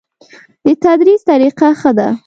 د تدریس طریقه ښه ده؟